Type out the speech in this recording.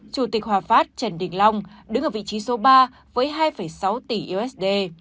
chủ tịch hòa phát trần đình long đứng ở vị trí số ba với hai sáu tỷ usd